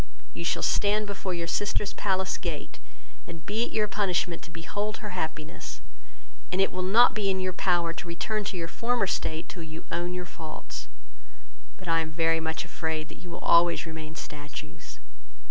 You shall stand before your sister's palace gate, and be it your punishment to behold her happiness; and it will not be in your power to return to your former state till you own your faults; but I am very much afraid that you will always remain statues.